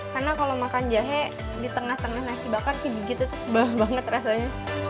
karena kalau makan jahe di tengah tengah nasi bakar kejigit itu sebalik banget rasanya